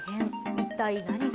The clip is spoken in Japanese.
一体何が？